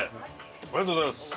ありがとうございます。